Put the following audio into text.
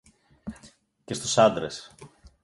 Και στους άντρες